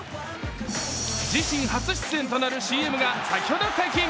自身初出演となるＣＭが先ほど解禁。